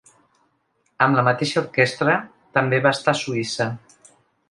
Amb la mateixa orquestra, també va estar a Suïssa.